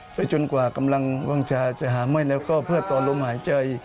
จนกว่ากำลังวางชาจะหาไม่แล้วก็เพื่อต่อลมหายใจ